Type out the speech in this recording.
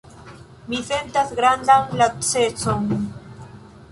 Mi sentas grandan lacecon.“